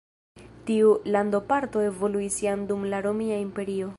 Tiu landoparto evoluis jam dum la Romia Imperio.